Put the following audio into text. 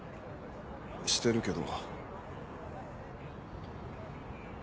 してるけど。